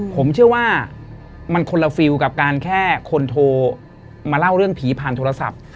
ผมเชื่อว่ามันคนละฟิลกับการแค่คนโทรมาเล่าเรื่องผีผ่านโทรศัพท์